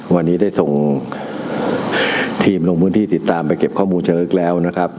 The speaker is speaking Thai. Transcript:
วันนี้ได้ส่งทีมลงพื้นที่ติดตามไปเก็บข้อมูลเชิงลึกแล้วนะครับ